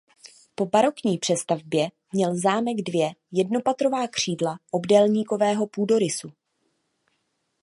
Po barokní přestavbě měl zámek dvě jednopatrová křídla obdélníkového půdorysu.